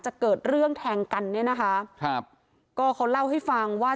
เกิดเรื่องแทงกันเนี่ยนะคะครับก็เขาเล่าให้ฟังว่า